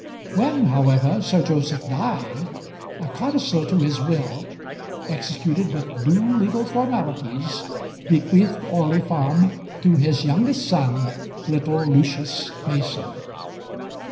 When, however, Sir Joseph died, a codicil to his will, executed with due legal formalities, bequeathed Orley Farm to his youngest son, little Lucius Mason.